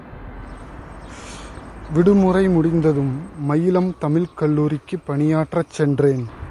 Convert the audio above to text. விடுமுறை முடிந்ததும் மயிலம் தமிழ்க் கல்லூரிக்குப் பணியாற்றச் சென்றேன்.